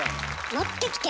持ってきて？